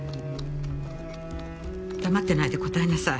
黙ってないで答えなさい。